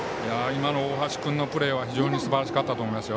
今の大橋君のプレー非常にすばらしかったと思います。